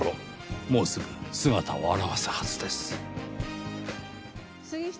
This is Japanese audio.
もうすぐ姿を現すはずです。